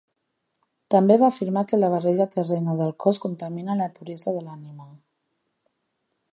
També va afirmar que la barreja terrena del cos contamina la puresa de l'ànima.